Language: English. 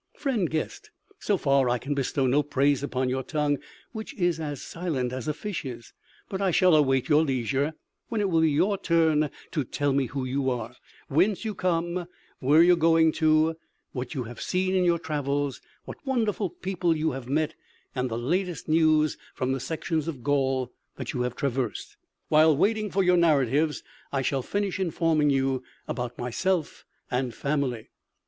'" "Friend guest, so far I can bestow no praise upon your tongue, which is as silent as a fish's. But I shall await your leisure, when it will be your turn to tell me who you are, whence you come, where you are going to, what you have seen in your travels, what wonderful people you have met, and the latest news from the sections of Gaul that you have traversed. While waiting for your narratives, I shall finish informing you about myself and family."